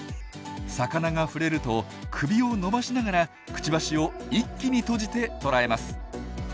魚が触れると首を伸ばしながらクチバシを一気に閉じて捕らえます。